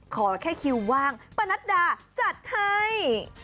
ขอแค่คิวว่างปะนัดดาจัดให้